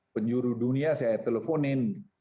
penyuruh dunia saya teleponin